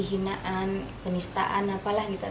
hinaan penistaan apalah gitu